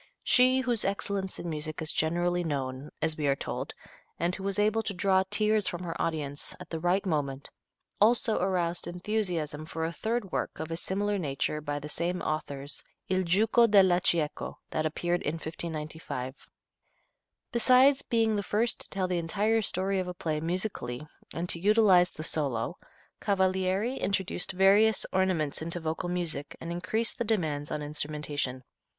She "whose excellence in music is generally known," as we are told, and who was able to "draw tears from her audience" at the right moment, also aroused enthusiasm for a third work of a similar nature by the same authors, "Il Giuco della Cieco," that appeared in 1595. Besides being the first to tell the entire story of a play musically and to utilize the solo, Cavalieri introduced various ornaments into vocal music and increased the demands on instrumentation.